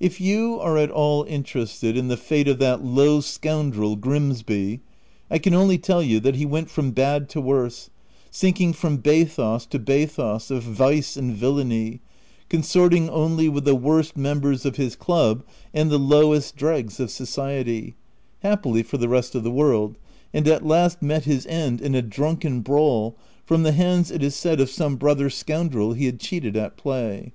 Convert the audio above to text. If you are at all interested in the fate of that low scoundrel, Grimsby, I can only tell you that he went from bad to worse, sinking from bathos to bathos of vice and villany, consorting only with the worst members of his club and the lowest dregs of society — happily for the rest of the world — and at last met his end in a drunken brawl from the hands, it is said of some brother scoundrel he had cheated at play.